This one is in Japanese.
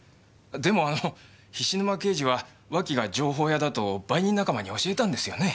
でもあの菱沼刑事は脇が情報屋だと売人仲間に教えたんですよね？